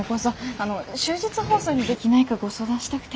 あの終日放送にできないかご相談したくて。